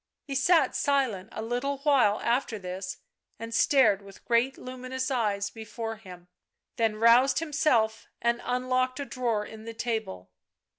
He sat silent a little while after this and stared with great luminous eyes before him, then roused himself and unlocked a drawer in the table.